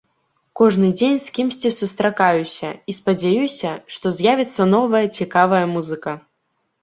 Кожны дзень з кімсьці сустракаюся і спадзяюся, што з'явіцца новая цікавая музыка.